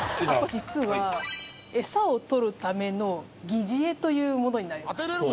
実は餌を取るための疑似餌というものになります。